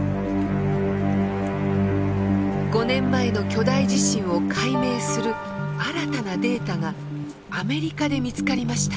５年前の巨大地震を解明する新たなデータがアメリカで見つかりました。